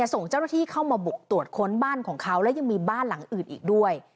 ส่งเจ้าหน้าที่เข้ามาบุกตรวจค้นบ้านของเขาและยังมีบ้านหลังอื่นอีกด้วย